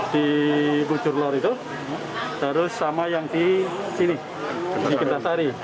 di mujurlor itu terus sama yang di sini di genta sari